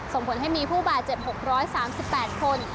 ส่งผลให้มีผู้บาดเจ็บ๖๓๘คน